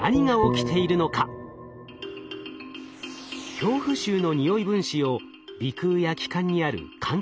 恐怖臭のにおい分子を鼻腔や気管にある感覚